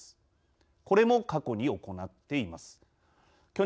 これも過去に行っています。